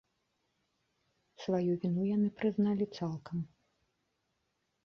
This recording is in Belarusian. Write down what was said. Сваю віну яны прызналі цалкам.